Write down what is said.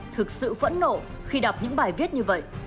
thực sự phẫn nộ khi đọc những bài viết như vậy